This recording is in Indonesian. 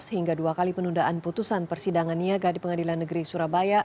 hingga dua kali penundaan putusan persidangan niaga di pengadilan negeri surabaya